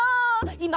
いま。